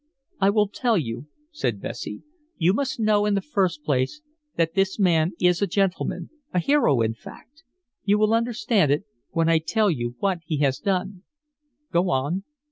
"I will tell you," said Bessie. "You must know in the first place that this man is a gentleman, a hero in fact. You will understand it when I tell you what he has done." "Go on."